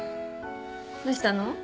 どうしたの？